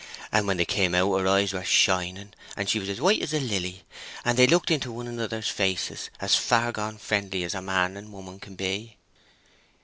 And when they came out her eyes were shining and she was as white as a lily; and they looked into one another's faces, as far gone friendly as a man and woman can be."